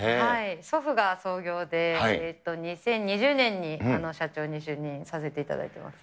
祖父が創業で、２０２０年に社長に就任させていただいてます。